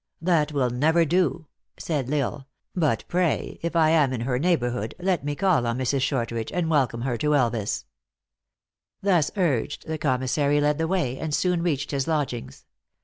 " That will never do," said L Isle. " But, pray, if I am in her neighborhood, let me call on Mrs. Short ridge, and welcome her to Elvas." Thus urged, the commissary led the way, and soon reached his lodgings.